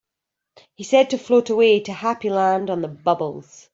He said to float away to Happy Land on the bubbles.